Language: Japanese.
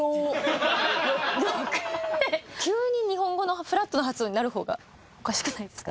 急に日本語のフラットな発音になる方がおかしくないですか？